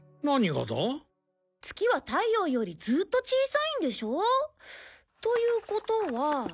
月は太陽よりずっと小さいんでしょ？ということは。